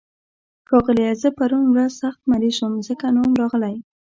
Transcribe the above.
ښاغليه، زه پرون ورځ سخت مريض وم، ځکه نه وم راغلی.